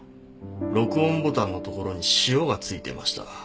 録音ボタンのところに塩が付いてました。